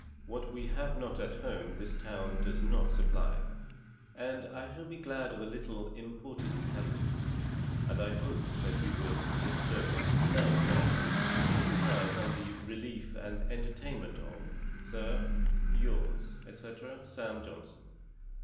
What we have not at home this town does not supply, and I shall be glad of a little imported intelligence, and hope that you will bestow, now and then, a little time on the relief and entertainment of, Sir, 'Yours, &c. 'Sam. Johnson.'